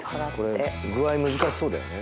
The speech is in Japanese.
具合難しそうだよね